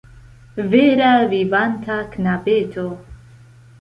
Vera vivanta knabeto!